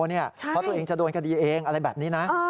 เพราะตัวเองจะโดนคดีเองอะไรแบบนี้นะ